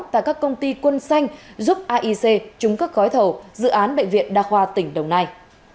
tại các công ty quân xanh giúp aic trúng các gói thầu dự án bệnh viện đa khoa tỉnh đồng nai